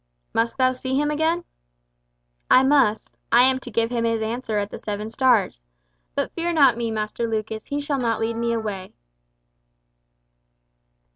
"Must thou see him again?" "I must. I am to give him his answer at the Seven Stars. But fear not me, Master Lucas, he shall not lead me away."